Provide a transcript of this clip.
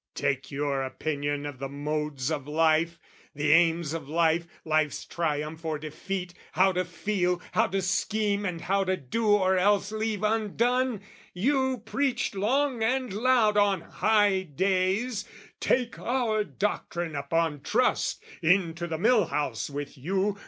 Take your opinion of the modes of life, The aims of life, life's triumph or defeat, How to feel, how to scheme and how to do Or else leave undone? You preached long and loud On high days, "Take our doctrine upon trust! "Into the mill house with you!